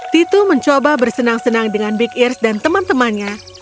titu mencoba bersenang senang dengan big irs dan teman temannya